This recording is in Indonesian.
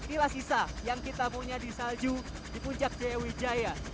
inilah sisa yang kita punya di salju di puncak jaya wijaya